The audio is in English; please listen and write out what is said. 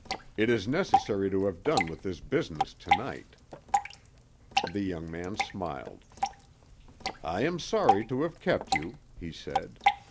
"It is necessary to have done with this business to night." The young man smiled. "I am sorry to have kept you," he said.